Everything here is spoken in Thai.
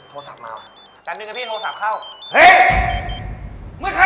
ฉะนั้นมันทำอะไรกับเรา